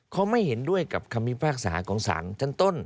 เขาไม่เห็นด้วยกับคำพิพากษาของสารชั้นต้น